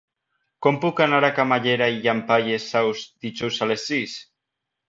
Com puc anar a Camallera i Llampaies Saus dijous a les sis?